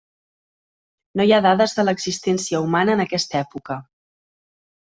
No hi ha dades de l'existència humana en aquesta època.